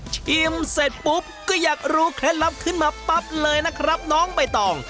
ชิมเสร็จปุ๊บก็อยากรู้เคล็ดลับขึ้นมาปั๊บเลยนะครับน้องใบตอง